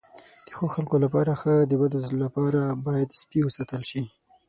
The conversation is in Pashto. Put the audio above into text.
د ښو خلکو لپاره ښه، د بدو لپاره باید سپي وساتل شي.